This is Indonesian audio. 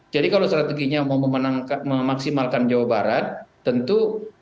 jadi kalau strateginya mau memaksimalkan jawa barat tentu